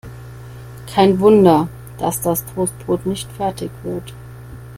Kein Wunder, dass das Toastbrot nicht fertig wird.